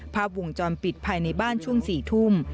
ภาพวงจรปิดภายในบ้านช่วง๔ทุ่ม